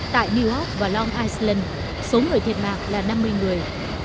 tại new york và long island số người thiệt mạc là năm mươi người